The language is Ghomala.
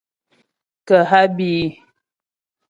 Kə́ há bí í.